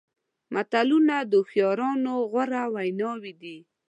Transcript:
متلونه د هوښیارانو غوره ویناوې دي.